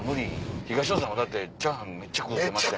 東野さんもだってチャーハンめっちゃ食うてましたね。